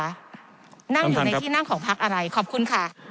นั่งอยู่ในที่นั่งของพักอะไรขอบคุณค่ะ